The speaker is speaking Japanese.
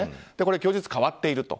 供述が変わっていると。